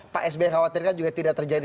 pak sby khawatirkan juga tidak terjadi